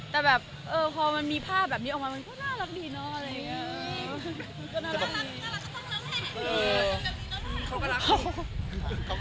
แต่แบบเออพอมันมีภาพแบบนี้ออกมามันก็น่ารักดีเนอะ